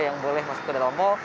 yang boleh masuk ke dalam mal